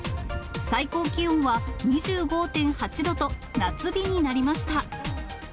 最高気温は２５．８度と、夏日になりました。